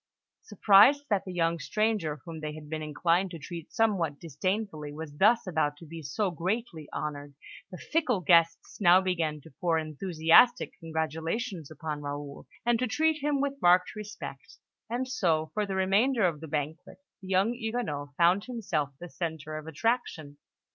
Surprised that the young stranger whom they had been inclined to treat somewhat disdainfully was thus about to be so greatly honoured, the fickle guests now began to pour enthusiastic congratulations upon Raoul, and to treat him with marked respect; and so, for the remainder of the banquet, the young Huguenot found himself the centre of attraction.